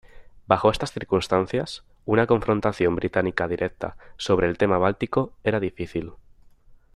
Bajo estas circunstancias, una confrontación británica directa sobre el tema báltico era difícil.